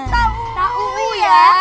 dan tinggal ki aisubakir